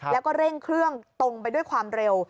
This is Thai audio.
แล้วก็เร่งเครื่องตรงไปด้วยความเร็ว